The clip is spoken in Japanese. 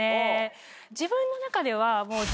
自分の中では。